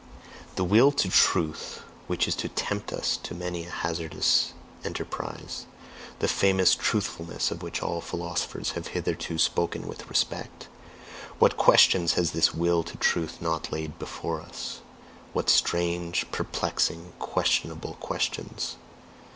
The Will to Truth, which is to tempt us to many a hazardous enterprise, the famous Truthfulness of which all philosophers have hitherto spoken with respect, what questions has this Will to Truth not laid before us! What strange, perplexing, questionable questions!